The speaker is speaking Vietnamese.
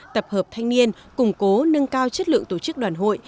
tập hợp thanh niên củng cố nâng cao chất lượng tổ chức đoàn hội